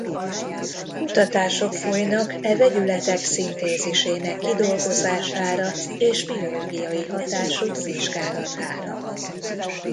Kutatások folynak e vegyületek szintézisének kidolgozására és biológiai hatásuk vizsgálatára.